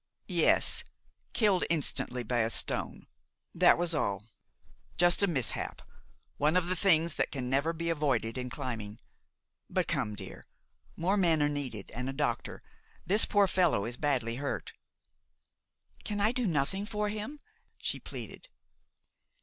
"Yes, killed instantly by a stone. That was all. Just a mishap one of the things that can never be avoided in climbing. But come, dear. More men are needed, and a doctor. This poor fellow is badly hurt." "Can I do nothing for him?" she pleaded.